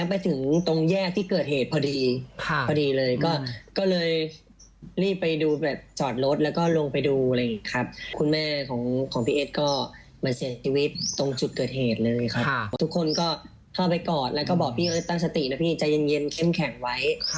พี่เอิ้นตั้งสตินะพี่ใจเย็นเค็มแข็งไว้